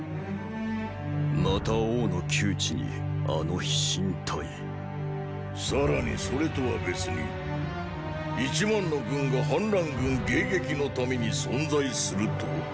また王の窮地にあの飛信隊さらにそれとは別に一万の軍が反乱軍迎撃のために存在すると？